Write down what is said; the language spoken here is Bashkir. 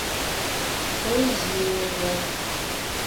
Эй-йе-е...